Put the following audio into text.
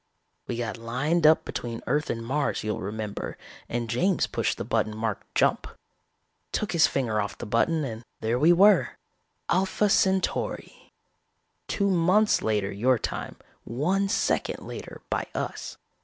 We got lined up between Earth and Mars, you'll remember, and James pushed the button marked 'Jump'. Took his finger off the button and there we were: Alpha Centauri. Two months later your time, one second later by us.